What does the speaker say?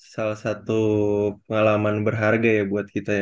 salah satu pengalaman berharga ya buat kita ya